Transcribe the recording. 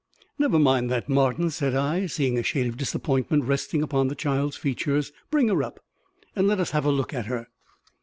"Never mind that, Martin," said I, seeing a shade of disappointment resting upon the child's features; "bring her up, and let us have a look at her."